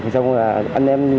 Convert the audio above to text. xong rồi anh em